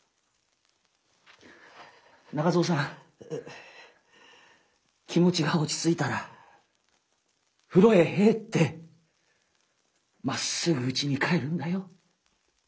中蔵さん気持ちが落ち着いたら風呂へ入ってまっすぐうちに帰るんだよ？